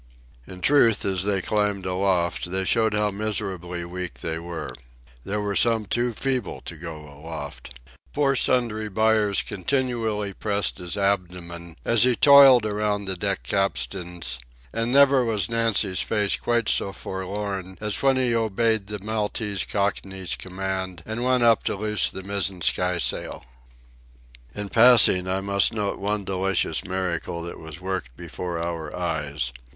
In truth, as they climbed aloft they showed how miserably weak they were. There were some too feeble to go aloft. Poor Sundry Buyers continually pressed his abdomen as he toiled around the deck capstans; and never was Nancy's face quite so forlorn as when he obeyed the Maltese Cockney's command and went up to loose the mizzen skysail. In passing, I must note one delicious miracle that was worked before our eyes.